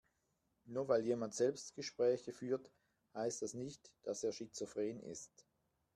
Nur weil jemand Selbstgespräche führt, heißt das nicht, dass er schizophren ist.